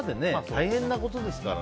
大変なことですから。